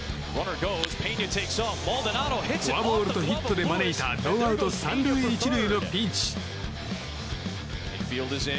フォアボールとヒットで招いたノーアウト３塁１塁のピンチ。